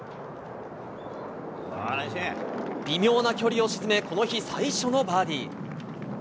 微妙な距離を沈めこの日最初のバーディー。